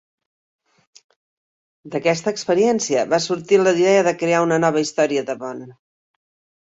D'aquesta experiència va sorgir la idea de crear una nova història de Bond.